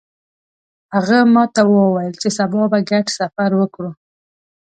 هغه ماته وویل چې سبا به ګډ سفر وکړو